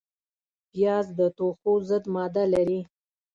پیاز د توښو ضد ماده لري